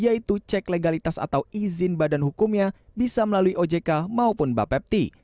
yaitu cek legalitas atau izin badan hukumnya bisa melalui ojk maupun bapepti